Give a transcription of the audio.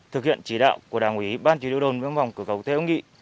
thực hiện chỉ đạo của đảng quý ban chỉ đối đồn vương phòng cửa khẩu thế úng nghị